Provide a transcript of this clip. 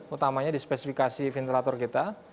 utamanya di spesifikasi ventilator kita